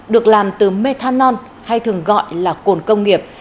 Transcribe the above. được làm từ methanol hay thường gọi là cồn công nghiệp